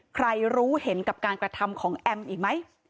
รู้เห็นกับการกระทำของแอมอีกไหม